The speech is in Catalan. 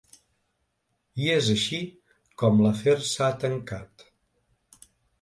I és així com l’afer s’ha tancat.